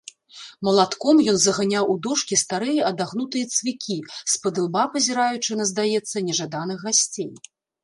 Малатком ён заганяў у дошкі старыя адагнутыя цвікі, спадылба пазіраючы на, здаецца, нежаданых гасцей.